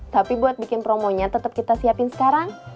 tapi buat bikin promonya tetap kita siapin sekarang